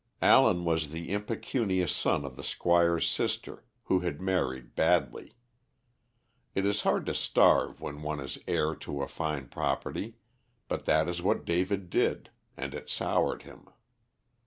Allen was the impecunious son of the Squire's sister who had married badly. It is hard to starve when one is heir to a fine property, but that is what David did, and it soured him.